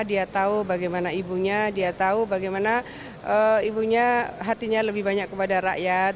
dia tahu bagaimana ibunya dia tahu bagaimana ibunya hatinya lebih banyak kepada rakyat